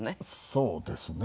そうですね。